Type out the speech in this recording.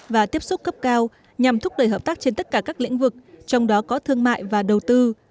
và tiếp xúc cấp cao nhằm thúc đẩy hợp tác trên tất cả các lĩnh vực trong đó có thương mại và đầu tư